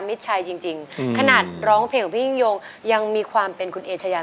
ไม่ใช่อยู่ในนั้นเลย